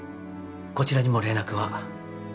こちらにも連絡は